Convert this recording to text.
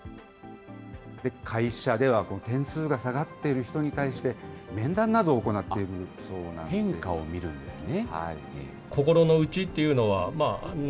会社では点数が下がっている人に対して、面談などを行っているそ変化を見るんですね。